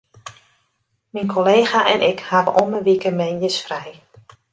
Myn kollega en ik hawwe om 'e wike moandeis frij.